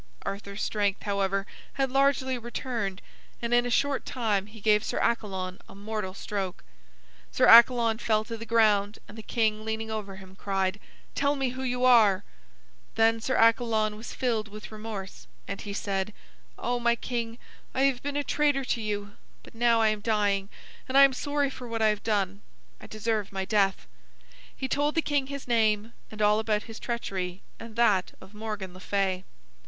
Arthur's strength, however, had largely returned, and in a short time he gave Sir Accalon a mortal stroke. Sir Accalon fell to the ground, and the king, leaning over him, cried: "Tell me who you are." Then Sir Accalon was filled with remorse, and he said: "Oh, my king, I have been a traitor to you, but now I am dying, and I am sorry for what I have done. I deserve my death." He told the king his name, and all about his treachery, and that of Morgan le Fay.